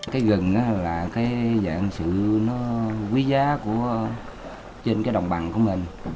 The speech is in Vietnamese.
cái gừng đó là cái dạng sự nó quý giá trên cái đồng bằng của mình